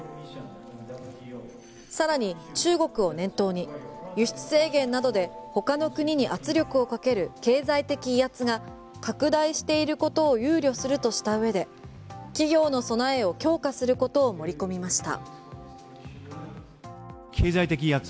さらに中国を念頭に輸出制限などで他の国に圧力をかける経済的威圧が拡大していることを憂慮するとした上で企業の備えを強化することを盛り込みました。